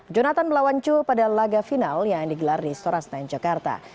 jonathan melawan cho pada laga final yang digelar di storastan jakarta